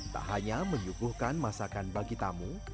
tak hanya menyuguhkan masakan bagi tamu